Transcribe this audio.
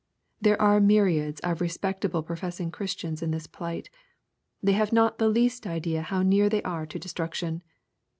There are myriads of respect able professing Christians in this plight. They have not the least idea how near they are to destruction.